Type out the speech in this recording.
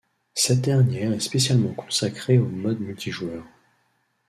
Cette dernière est spécialement consacrée au mode multijoueur.